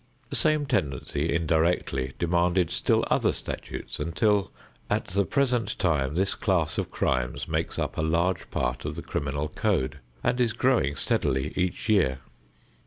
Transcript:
The same tendency, indirectly, demanded still other statutes until at the present time this class of crimes makes up a large part of the criminal code and is growing steadily each year.